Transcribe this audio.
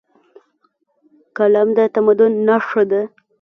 قلم د تمدن نښه ده.